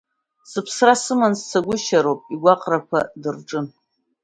Сыԥсра сыманы сцагәышьароуп, игәаҟрақәа дырҿын.